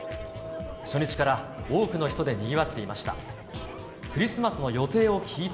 初日から多くの人でにぎわっていました。